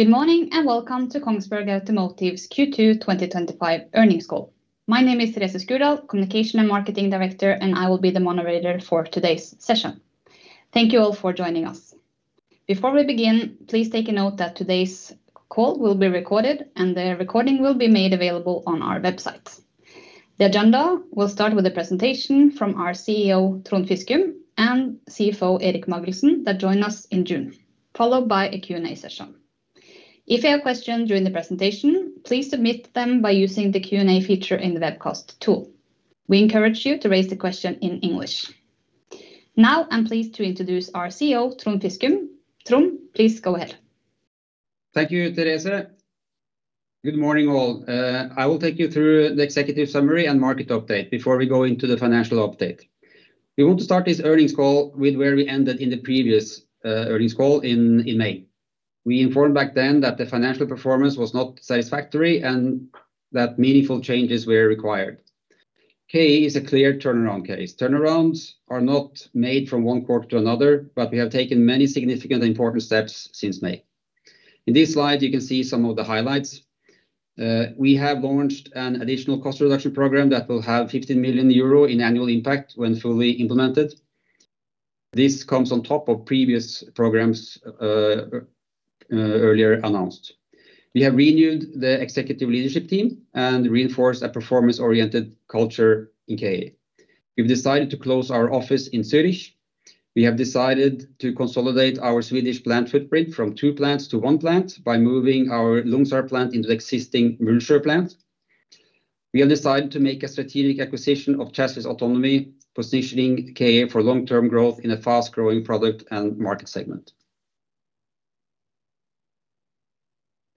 Good morning and welcome to Kongsberg Automotive's Q2 2025 Earnings Call. My name is Therese Sjöborg Skurdal, Communication and Marketing Director, and I will be the moderator for today's session. Thank you all for joining us. Before we begin, please take note that today's call will be recorded, and the recording will be made available on our website. The agenda will start with a presentation from our CEO, Trond Fiskum, and CFO, Erik Magelssen, that joined us in June, followed by a Q&A session. If you have questions during the presentation, please submit them by using the Q&A feature in the webcast tool. We encourage you to raise the question in English. Now, I'm pleased to introduce our CEO, Trond Fiskum. Trond, please go ahead. Thank you, Therese. Good morning all. I will take you through the executive summary and market update before we go into the financial update. We want to start this earnings call with where we ended in the previous earnings call in May. We informed back then that the financial performance was not satisfactory and that meaningful changes were required. Kongsberg Automotive is a clear turnaround case. Turnarounds are not made from one quarter to another, but we have taken many significant and important steps since May. In this slide, you can see some of the highlights. We have launched an additional cost reduction program that will have €15 million in annual impact when fully implemented. This comes on top of previous programs earlier announced. We have renewed the executive leadership team and reinforced a performance-oriented culture in Kongsberg Automotive. We have decided to close our office in Zürich. We have decided to consolidate our Swedish plant footprint from two plants to one plant by moving our Ljungsarp plant into the existing Mullsjö plant. We have decided to make a strategic acquisition of Chassis Autonomy, positioning Kongsberg Automotive for long-term growth in a fast-growing product and market segment.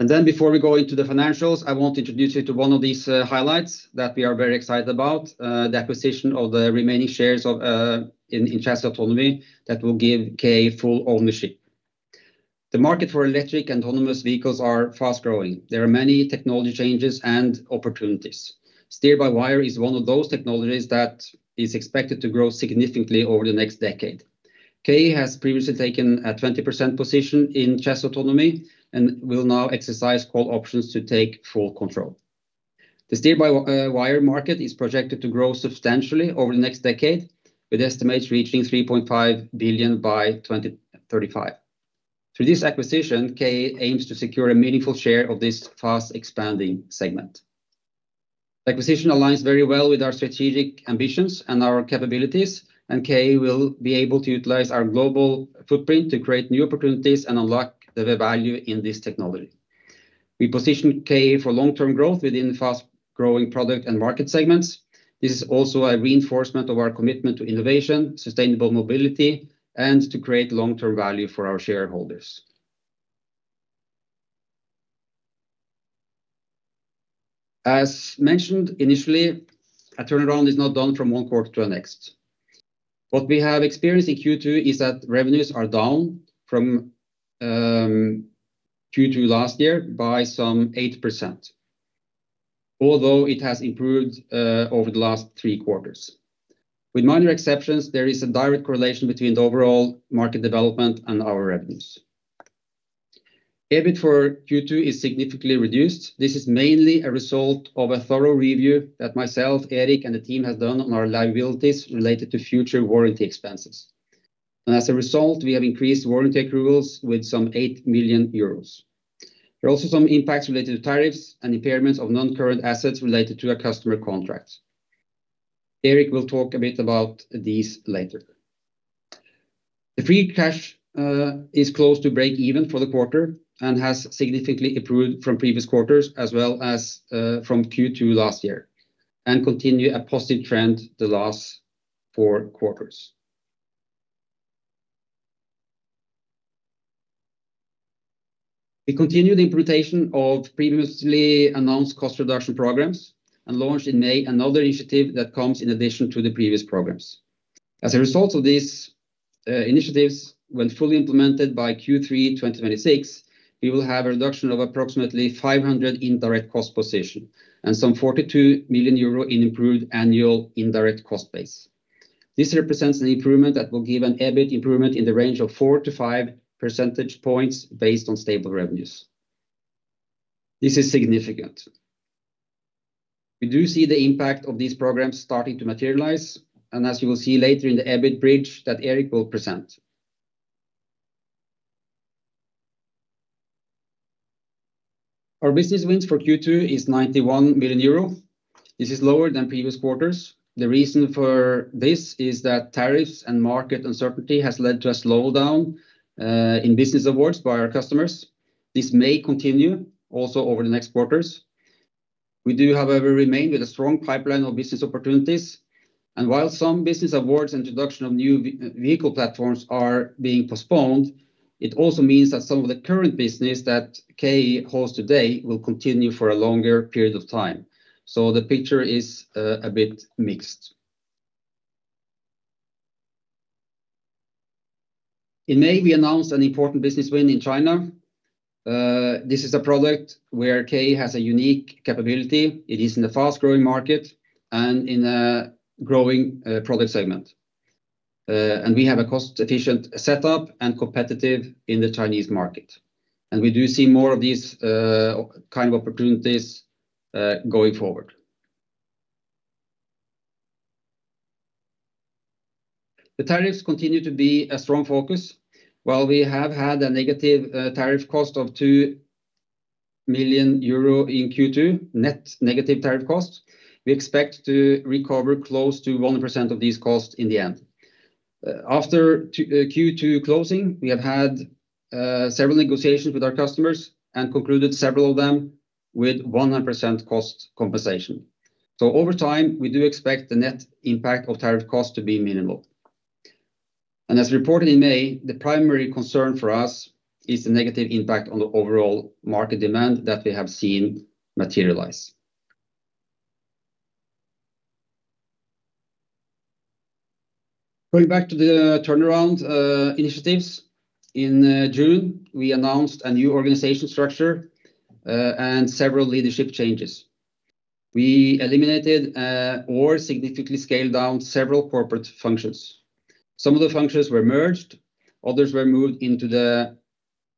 Before we go into the financials, I want to introduce you to one of these highlights that we are very excited about: the acquisition of the remaining shares in Chassis Autonomy that will give Kongsberg Automotive full ownership. The market for electric and autonomous vehicles is fast growing. There are many technology changes and opportunities. Steer-by-wire is one of those technologies that is expected to grow significantly over the next decade. Kongsberg Automotive has previously taken a 20% position in Chassis Autonomy and will now exercise call options to take full control. The Steer-by-wire market is projected to grow substantially over the next decade, with estimates reaching €3.5 billion by 2035. Through this acquisition, Kongsberg Automotive aims to secure a meaningful share of this fast-expanding segment. The acquisition aligns very well with our strategic ambitions and our capabilities, and Kongsberg Automotive will be able to utilize our global footprint to create new opportunities and unlock the value in this technology. We position Kongsberg Automotive for long-term growth within fast-growing product and market segments. This is also a reinforcement of our commitment to innovation, sustainable mobility, and to create long-term value for our shareholders. As mentioned initially, a turnaround is not done from one quarter to the next. What we have experienced in Q2 is that revenues are down from Q2 last year by some 8%, although it has improved over the last three quarters. With minor exceptions, there is a direct correlation between the overall market development and our revenues. EBIT for Q2 is significantly reduced. This is mainly a result of a thorough review that myself, Erik, and the team have done on our liabilities related to future warranty expenses. As a result, we have increased warranty accruals with some €8 million. There are also some impacts related to tariffs and impairments of non-current assets related to a customer contract. Erik will talk a bit about these later. The free cash flow is close to break-even for the quarter and has significantly improved from previous quarters, as well as from Q2 last year, and continues a positive trend the last four quarters. We continue the implementation of previously announced cost reduction programs and launched in May another initiative that comes in addition to the previous programs. As a result of these initiatives, when fully implemented by Q3 2026, we will have a reduction of approximately €500,000 in direct cost position and some €42 million in improved annual indirect cost base. This represents an improvement that will give an EBIT improvement in the range of 4-5 percentage points based on stable revenues. This is significant. We do see the impact of these programs starting to materialize, as you will see later in the EBIT bridge that Erik will present. Our business wins for Q2 are €91 million. This is lower than previous quarters. The reason for this is that tariffs and market uncertainty have led to a slowdown in business awards by our customers. This may continue also over the next quarters. We do, however, remain with a strong pipeline of business opportunities, and while some business awards and the introduction of new vehicle platforms are being postponed, it also means that some of the current business that Kongsberg Automotive holds today will continue for a longer period of time. The picture is a bit mixed. In May, we announced an important business win in China. This is a product where Kongsberg Automotive has a unique capability. It is in a fast-growing market and in a growing product segment. We have a cost-efficient setup and are competitive in the Chinese market. We do see more of these kinds of opportunities going forward. The tariffs continue to be a strong focus. While we have had a negative tariff cost of €2 million in Q2, net negative tariff costs, we expect to recover close to 1% of these costs in the end. After Q2 closing, we have had several negotiations with our customers and concluded several of them with 100% cost compensation. Over time, we do expect the net impact of tariff costs to be minimal. As reported in May, the primary concern for us is the negative impact on the overall market demand that we have seen materialize. Going back to the turnaround initiatives, in June, we announced a new organization structure and several leadership changes. We eliminated or significantly scaled down several corporate functions. Some of the functions were merged, others were moved into the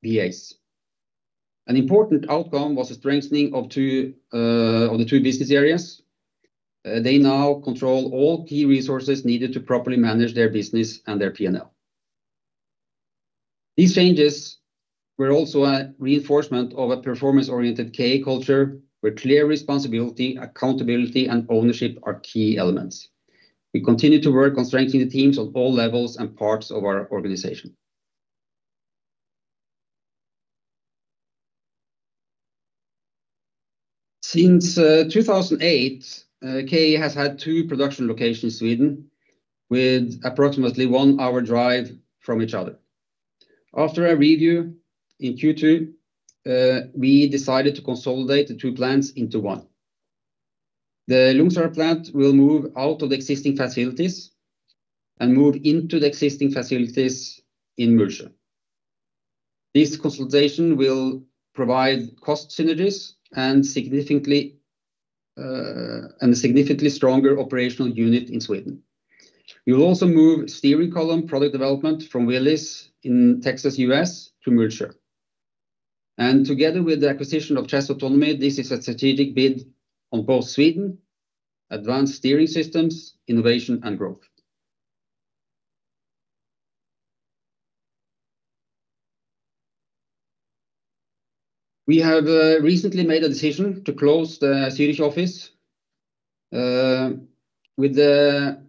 BAs. An important outcome was the strengthening of the two business areas. They now control all key resources needed to properly manage their business and their P&L. These changes were also a reinforcement of a performance-oriented K culture, where clear responsibility, accountability, and ownership are key elements. We continue to work on strengthening the teams on all levels and parts of our organization. Since 2008, K has had two production locations in Sweden, with approximately one hour drive from each other. After a review in Q2, we decided to consolidate the two plants into one. The Ljungsarp plant will move out of the existing facilities and move into the existing facilities in Mullsjö. This consolidation will provide cost synergies and a significantly stronger operational unit in Sweden. We will also move steering column product development from Willis in Texas, U.S., to Mullsjö. Together with the acquisition of Chassis Autonomy, this is a strategic bid on both Sweden, advanced steering systems, innovation, and growth. We have recently made a decision to close the Zürich office with the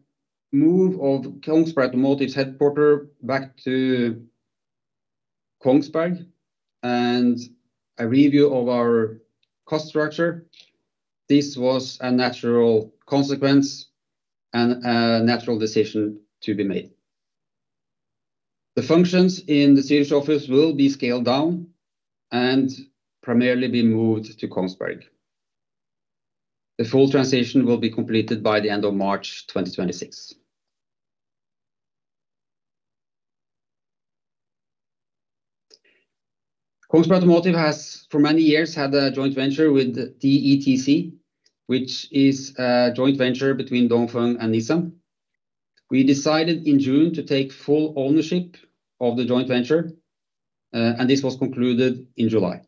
move of Kongsberg Automotive's headquarters back to Kongsberg and a review of our cost structure. This was a natural consequence and a natural decision to be made. The functions in the Zürich office will be scaled down and primarily be moved to Kongsberg. The full transition will be completed by the end of March 2026. Kongsberg Automotive has for many years had a joint venture with DETC, which is a joint venture between Dongfeng and Nissan. We decided in June to take full ownership of the joint venture, and this was concluded in July.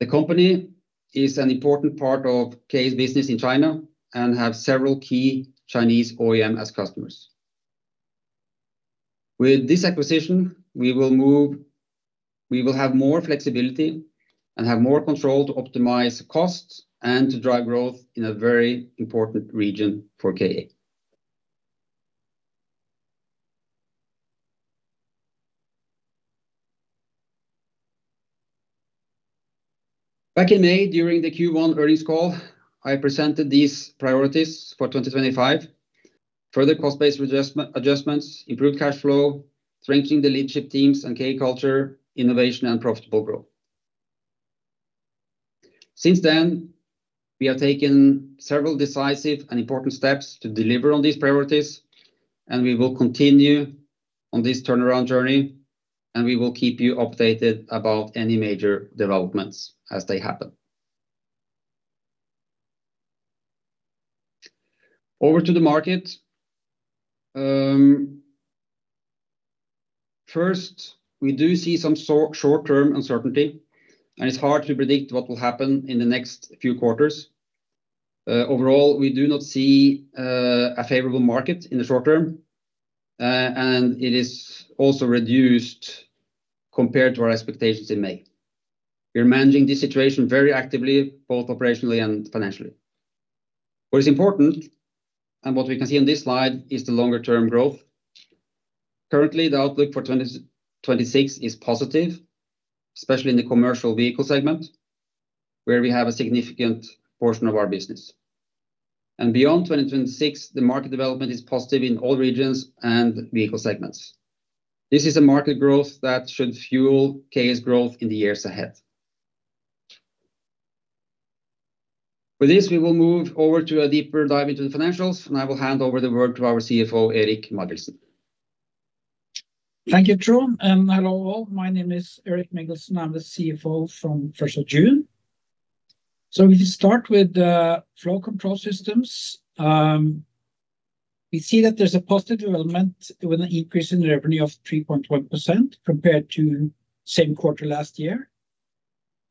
The company is an important part of Kongsberg Automotive's business in China and has several key Chinese OEMs as customers. With this acquisition, we will have more flexibility and have more control to optimize costs and to drive growth in a very important region for Kongsberg Automotive. Back in May, during the Q1 earnings call, I presented these priorities for 2025: further cost-based adjustments, improved cash flow, strengthening the leadership teams and Kongsberg Automotive culture, innovation, and profitable growth. Since then, we have taken several decisive and important steps to deliver on these priorities, and we will continue on this turnaround journey, and we will keep you updated about any major developments as they happen. Over to the market. First, we do see some short-term uncertainty, and it's hard to predict what will happen in the next few quarters. Overall, we do not see a favorable market in the short term, and it is also reduced compared to our expectations in May. We are managing this situation very actively, both operationally and financially. What is important, and what we can see on this slide, is the longer-term growth. Currently, the outlook for 2026 is positive, especially in the commercial vehicle segment, where we have a significant portion of our business. Beyond 2026, the market development is positive in all regions and vehicle segments. This is a market growth that should fuel Kongsberg Automotive's growth in the years ahead. With this, we will move over to a deeper dive into the financials, and I will hand over the word to our CFO, Erik Magelssen. Thank you, Trond, and hello all. My name is Erik Magelssen. I'm the CFO from Kongsberg Automotive since June. We can start with the Flow Control Systems. We see that there's a positive development with an increase in revenue of 3.1% compared to the same quarter last year.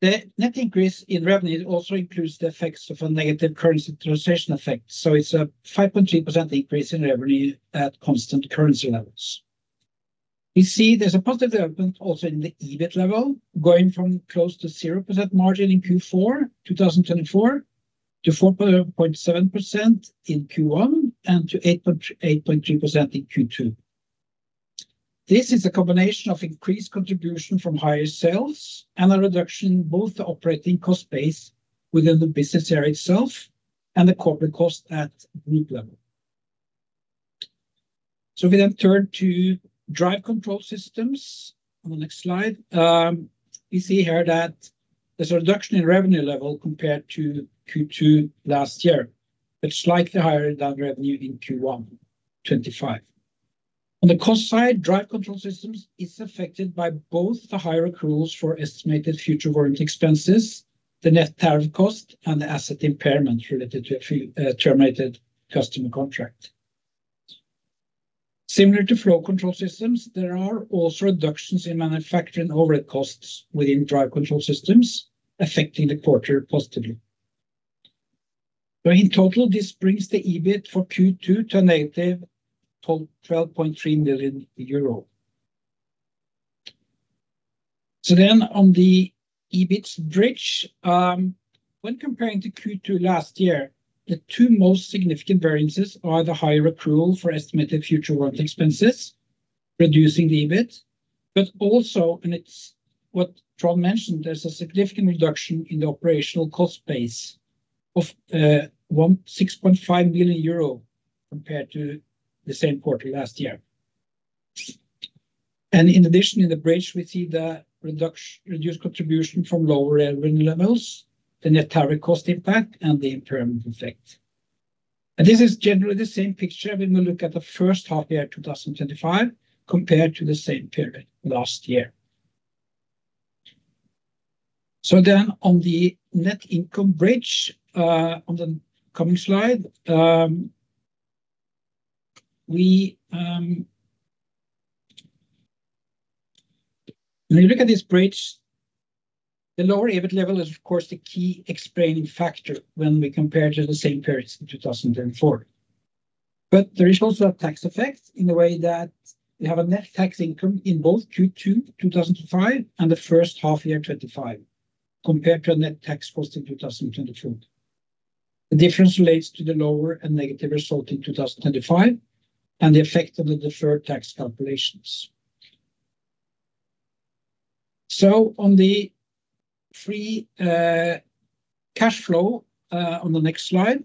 The net increase in revenue also includes the effects of a negative currency translation effect. It's a 5.3% increase in revenue at constant currency levels. We see there's a positive development also in the EBIT level, going from close to 0% margin in Q4 2024 to 4.7% in Q1 and to 8.3% in Q2. This is a combination of increased contribution from higher sales and a reduction in both the operating cost base within the business area itself and the corporate cost at the group level. If we then turn to Drive Control Systems on the next slide, we see here that there's a reduction in revenue level compared to Q2 last year, but slightly higher than revenue in Q1 2025. On the cost side, Drive Control Systems are affected by both the higher accruals for estimated future warranty expenses, the net tariff cost, and the asset impairment related to a terminated customer contract. Similar to Flow Control Systems, there are also reductions in manufacturing overhead costs within Drive Control Systems, affecting the quarter positively. In total, this brings the EBIT for Q2 to a -€12.3 million. On the EBIT bridge, when comparing to Q2 last year, the two most significant variances are the higher accrual for estimated future warranty expenses, reducing the EBIT, but also, as Trond mentioned, there's a significant reduction in the operational cost base of €6.5 million compared to the same quarter last year. In addition, in the bridge, we see the reduced contribution from lower revenue levels, the net tariff cost impact, and the impairment effect. This is generally the same picture when we look at the first half year 2025 compared to the same period last year. On the net income bridge, on the coming slide, when you look at this bridge, the lower EBIT level is, of course, the key explaining factor when we compare to the same periods in 2024. There is also a tax effect in the way that we have a net tax income in both Q2 2025 and the first half year 2025 compared to a net tax cost in 2022. The difference relates to the lower and negative result in 2025 and the effect of the deferred tax calculations. On the free cash flow on the next slide,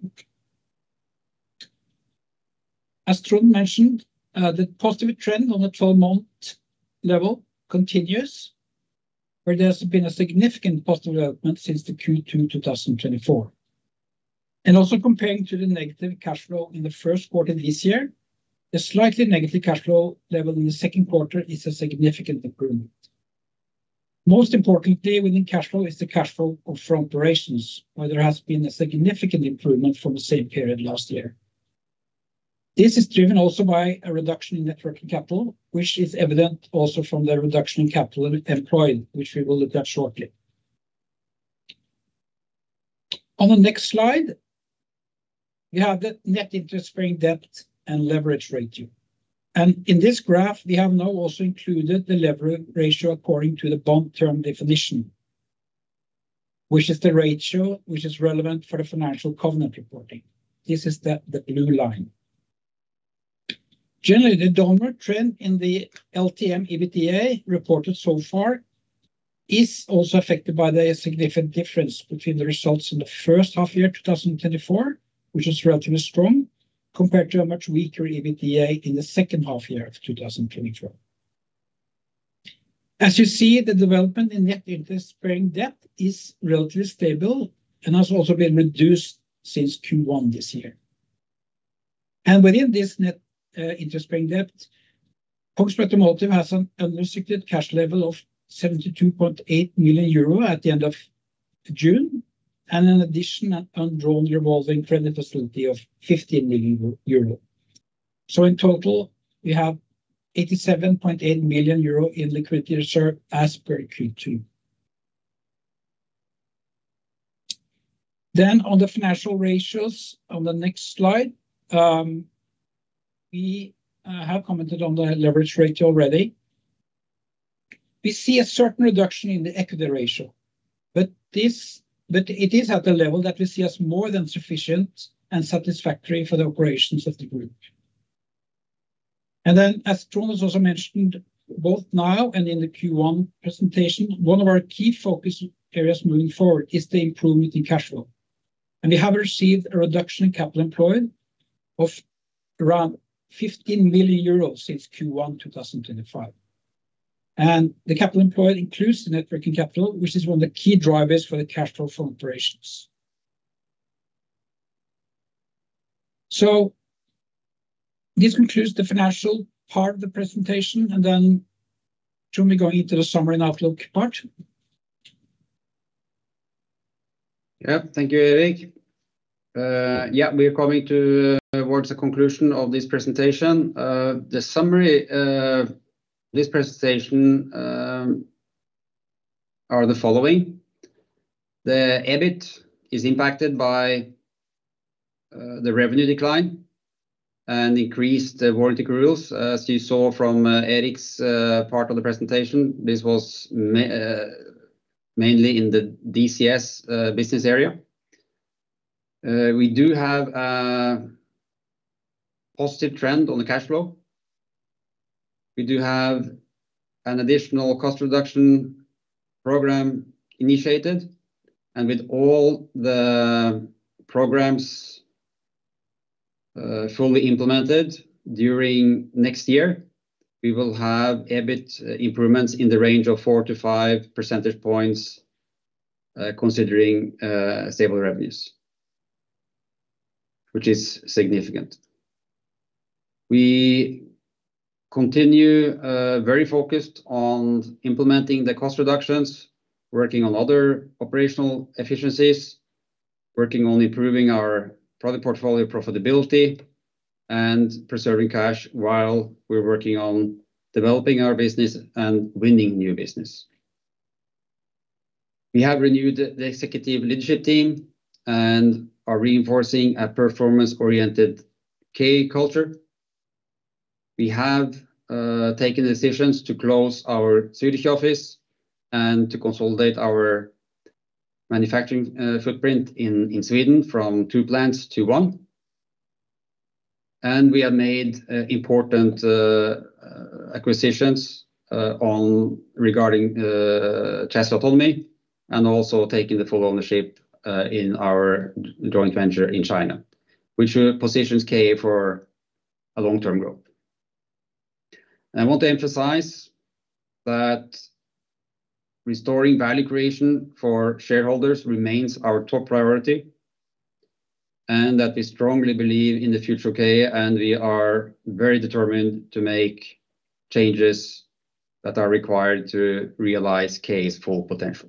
as Trond mentioned, the positive trend on the 12-month level continues, where there has been a significant positive development since Q2 2024. Also, comparing to the negative cash flow in the first quarter this year, the slightly negative cash flow level in the second quarter is a significant improvement. Most importantly, winning cash flow is the cash flow of operations, where there has been a significant improvement from the same period last year. This is driven also by a reduction in net working capital, which is evident also from the reduction in capital employed, which we will look at shortly. On the next slide, we have the net interest-bearing debt and leverage ratio. In this graph, we have now also included the leverage ratio according to the bond term definition, which is the ratio which is relevant for the financial covenant reporting. This is the blue line. Generally, the downward trend in the LTM EBITDA reported so far is also affected by the significant difference between the results in the first half year 2024, which is relatively strong, compared to a much weaker EBITDA in the second half year of 2024. As you see, the development in net interest-bearing debt is relatively stable and has also been reduced since Q1 this year. Within this net interest-bearing debt, Kongsberg Automotive has an unrestricted cash level of €72.8 million at the end of June, and in addition, an undrawn revolving credit facility of €15 million. In total, we have €87.8 million in liquidity reserve as per Q2. On the financial ratios on the next slide, we have commented on the leverage ratio already. We see a certain reduction in the equity ratio, but it is at the level that we see as more than sufficient and satisfactory for the operations of the group. As Trond has also mentioned, both now and in the Q1 presentation, one of our key focus areas moving forward is the improvement in cash flow. We have received a reduction in capital employed of around €15 million since Q1 2024. The capital employed includes the net working capital, which is one of the key drivers for the cash flow from operations. This concludes the financial part of the presentation. Trond, we're going into the summary and outlook part. Yeah, thank you, Erik. We are coming towards the conclusion of this presentation. The summary of this presentation is the following: the EBIT is impacted by the revenue decline and increased warranty accruals, as you saw from Erik's part of the presentation. This was mainly in the Drive Control Systems business area. We do have a positive trend on the cash flow. We do have an additional cost reduction program initiated. With all the programs fully implemented during next year, we will have EBIT improvements in the range of 4-5 percentage points, considering stable revenues, which is significant. We continue very focused on implementing the cost reductions, working on other operational efficiencies, working on improving our product portfolio profitability, and preserving cash while we're working on developing our business and winning new business. We have renewed the executive leadership team and are reinforcing a performance-oriented Kongsberg Automotive culture. We have taken decisions to close our Zürich office and to consolidate our manufacturing footprint in Sweden from two plants to one. We have made important acquisitions regarding Chassis Autonomy and also taking the full ownership in our joint venture in China, which positions Kongsberg Automotive for long-term growth. I want to emphasize that restoring value creation for shareholders remains our top priority and that we strongly believe in the future of Kongsberg Automotive, and we are very determined to make changes that are required to realize Kongsberg Automotive's full potential.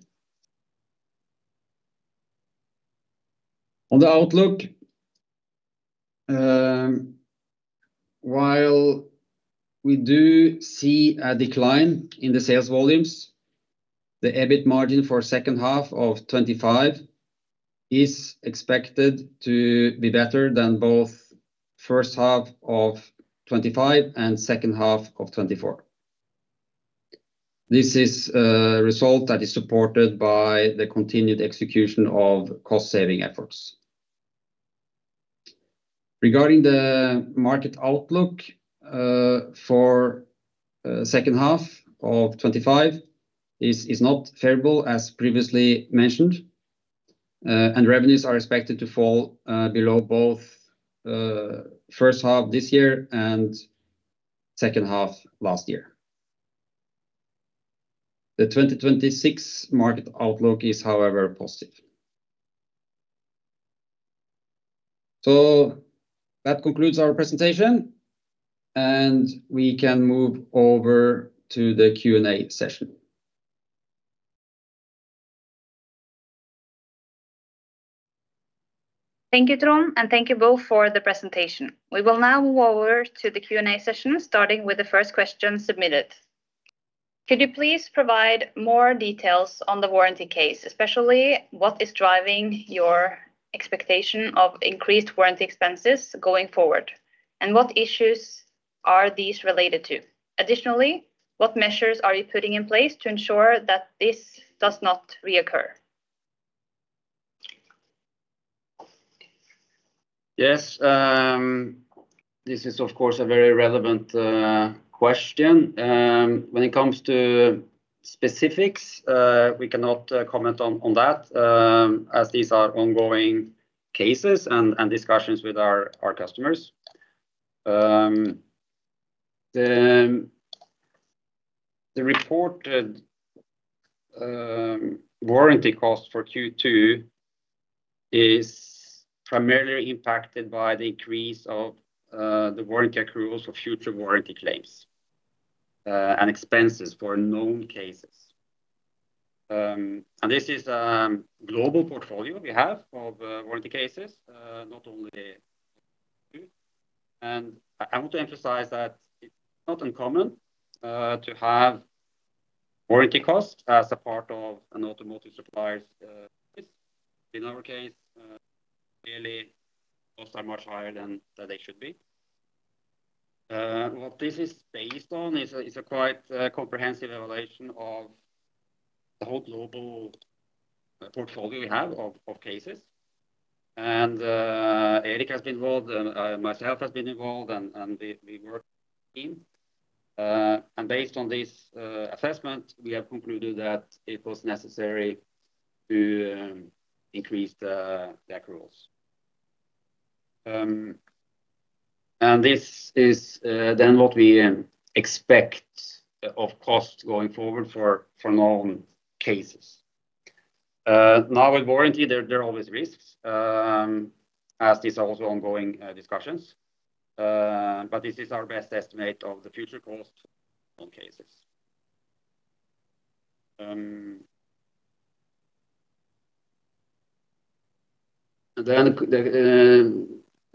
On the outlook, while we do see a decline in the sales volumes, the EBIT margin for the second half of 2025 is expected to be better than both the first half of 2025 and the second half of 2024. This is a result that is supported by the continued execution of cost-saving efforts. Regarding the market outlook for the second half of 2025, this is not favorable, as previously mentioned, and revenues are expected to fall below both the first half this year and the second half last year. The 2026 market outlook is, however, positive. That concludes our presentation, and we can move over to the Q&A session. Thank you, Trond, and thank you both for the presentation. We will now move over to the Q&A session, starting with the first question submitted. Could you please provide more details on the warranty case, especially what is driving your expectation of increased warranty expenses going forward, and what issues are these related to? Additionally, what measures are you putting in place to ensure that this does not reoccur? Yes, this is, of course, a very relevant question. When it comes to specifics, we cannot comment on that, as these are ongoing cases and discussions with our customers. The reported warranty cost for Q2 is primarily impacted by the increase of the warranty accruals for future warranty claims and expenses for known cases. This is a global portfolio we have of warranty cases, not only K2. I want to emphasize that it's not uncommon to have warranty costs as a part of an automotive supplier's business. In our case, clearly, costs are much higher than they should be. What this is based on is a quite comprehensive evaluation of the whole global portfolio we have of cases. Erik has been involved, and myself have been involved, and we work in. Based on this assessment, we have concluded that it was necessary to increase the accruals. This is then what we expect of cost going forward for known cases. Now, with warranty, there are always risks, as these are also ongoing discussions. This is our best estimate of the future cost on cases. The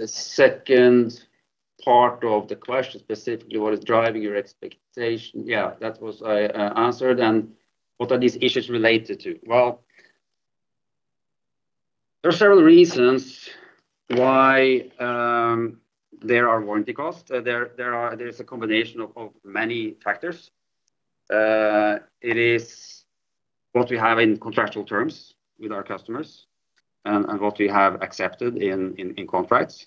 second part of the question, specifically what is driving your expectation? Yeah, that was answered. What are these issues related to? There are several reasons why there are warranty costs. There is a combination of many factors. It is what we have in contractual terms with our customers and what we have accepted in contracts.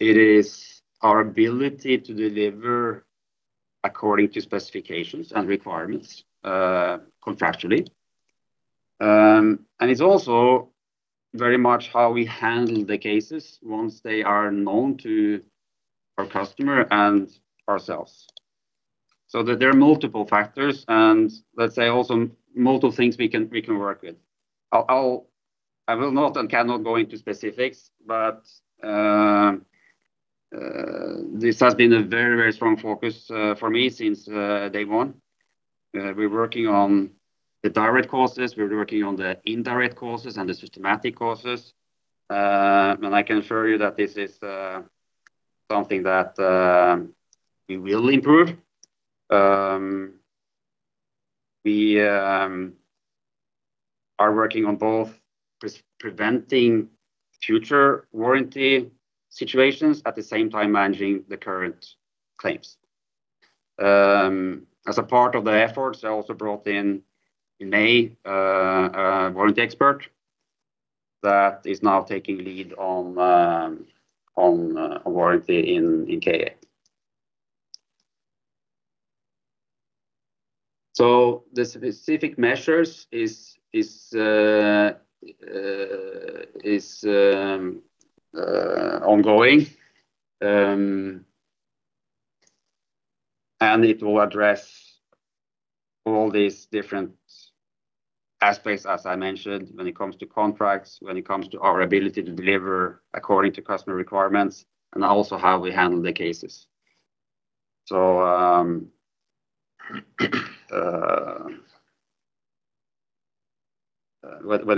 It is our ability to deliver according to specifications and requirements contractually. It's also very much how we handle the cases once they are known to our customer and ourselves. There are multiple factors and, let's say, also multiple things we can work with. I will not and cannot go into specifics, but this has been a very, very strong focus for me since day one. We're working on the direct costs. We're working on the indirect costs and the systematic costs. I can assure you that this is something that we will improve. We are working on both preventing future warranty situations at the same time managing the current claims. As a part of the efforts, I also brought in, in May, a warranty expert that is now taking lead on warranty in Kongsberg Automotive. The specific measures are ongoing and need to address all these different aspects, as I mentioned, when it comes to contracts, when it comes to our ability to deliver according to customer requirements, and also how we handle the cases. When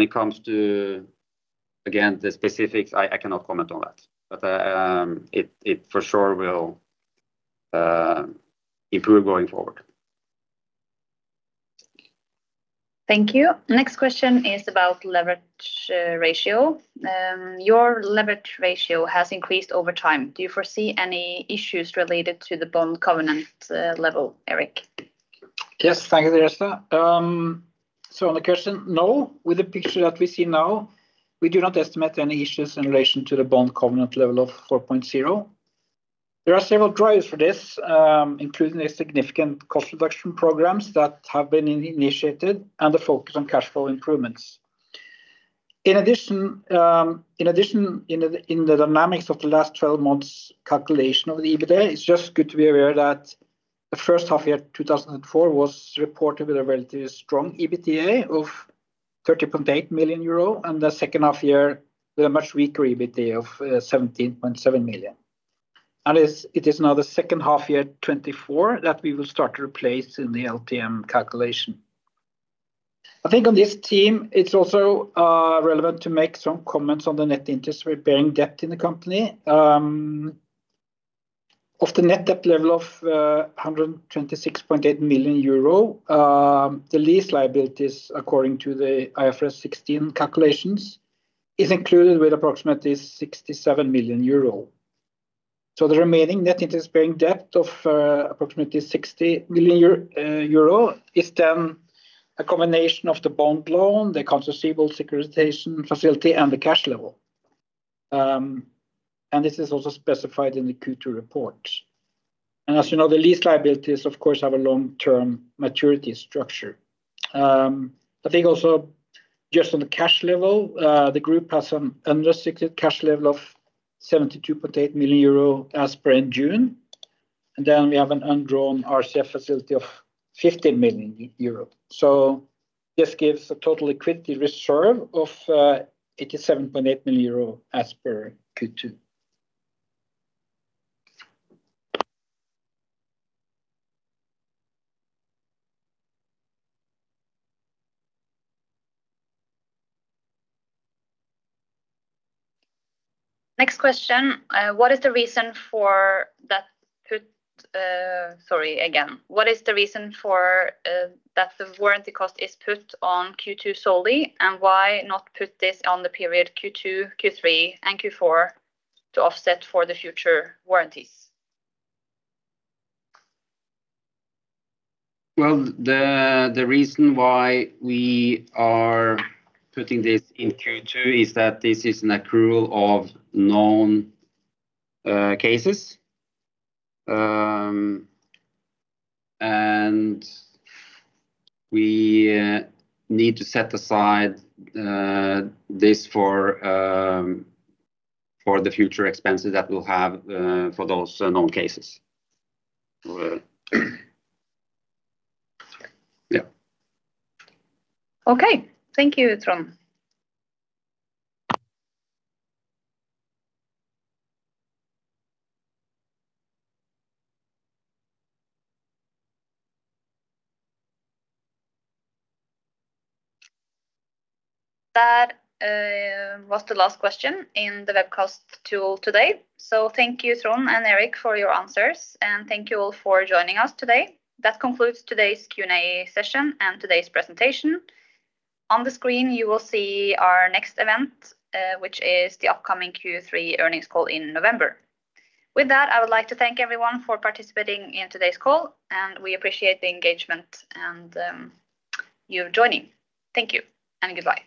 it comes to, again, the specifics, I cannot comment on that. It for sure will improve going forward. Thank you. Next question is about leverage ratio. Your leverage ratio has increased over time. Do you foresee any issues related to the bond covenant level, Erik? Yes, thank you, Therese. On the question, no. With the picture that we see now, we do not estimate any issues in relation to the bond covenant level of 4.0. There are several drivers for this, including the significant cost reduction programs that have been initiated and the focus on cash flow improvements. In addition, in the dynamics of the last 12 months' calculation of the EBITDA, it's just good to be aware that the first half year 2024 was reported with a relatively strong EBITDA of €30.8 million, and the second half year, with a much weaker EBITDA of €17.7 million. It is now the second half year 2024 that we will start to replace in the LTM calculation. I think on this theme, it's also relevant to make some comments on the net interest-bearing debt in the company. Of the net debt level of €126.8 million, the lease liabilities, according to the IFRS 16 calculations, are included with approximately €67 million. The remaining net interest-bearing debt of approximately €60 million is then a combination of the bond loan, the conceivable securitization facility, and the cash level. This is also specified in the Q2 report. As you know, the lease liabilities, of course, have a long-term maturity structure. I think also just on the cash level, the group has an unrestricted cash level of €72.8 million as per June. We have an undrawn RCF facility of €15 million. This gives a total liquidity reserve of €87.8 million as per Q2. Next question. What is the reason for that the warranty cost is put on Q2 solely, and why not put this on the period Q2, Q3, and Q4 to offset for the future warranties? The reason why we are putting this in Q2 is that this is an accrual of known cases, and we need to set aside this for the future expenses that we'll have for those known cases. Okay. Thank you, Trond. That was the last question in the webcast tool today. Thank you, Trond and Erik, for your answers, and thank you all for joining us today. That concludes today's Q&A session and today's presentation. On the screen, you will see our next event, which is the upcoming Q3 earnings call in November. With that, I would like to thank everyone for participating in today's call, and we appreciate the engagement and you joining. Thank you and goodbye.